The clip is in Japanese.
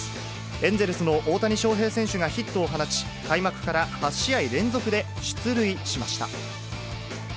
エンゼルスの大谷翔平選手がヒットを放ち、開幕から８試合連続で出塁しました。